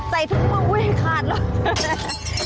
ใส่ทุกมืออุ๊ยขาดแล้ว